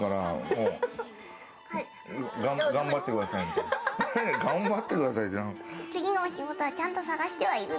そうだ頑張ってくださいって次のお仕事はちゃんと探してはいるの？